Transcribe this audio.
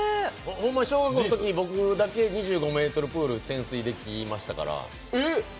小５のときだけ僕だけ２５ｍプール、潜水できましたから。